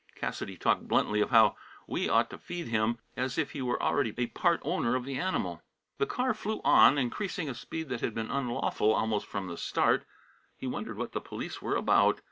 Cassidy talked bluntly of how "we" ought to feed him, as if he were already a part owner of the animal. The car flew on, increasing a speed that had been unlawful almost from the start. He wondered what the police were about.